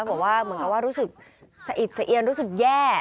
บอกว่าเหมือนกับว่ารู้สึกสะอิดสะเอียนรู้สึกแย่